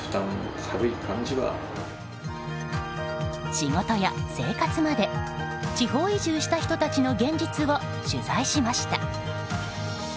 仕事や生活まで地方移住した人たちの現実を取材しました。